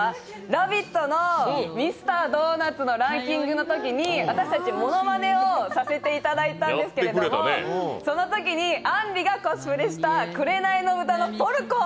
「ラヴィット！」のミスタードーナツのランキングのときに私たち、ものまねをさせていただいたんですけどそのときにあんりがコスプレした「紅の豚」のポルコ。